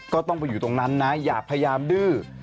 ก็ต้องไปอยู่ตรงนั้นนะอย่าพยายามดื้อ